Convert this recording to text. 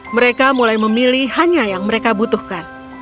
mereka mulai memilih hanya yang mereka butuhkan